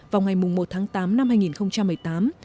vào ngày một tháng tám năm hai nghìn một mươi tám